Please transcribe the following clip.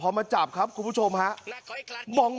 เรียนเรียนเรียน